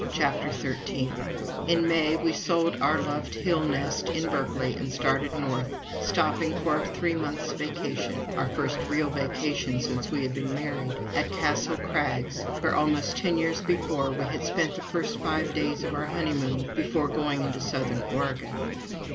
CHAPTER XIII In May we sold our loved hill nest in Berkeley and started north, stopping for a three months' vacation our first real vacation since we had been married at Castle Crags, where, almost ten years before, we had spent the first five days of our honeymoon, before going into Southern Oregon.